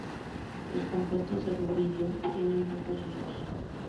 Los compuestos de rubidio tienen pocos usos.